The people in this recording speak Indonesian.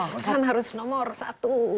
harusan harus nomor satu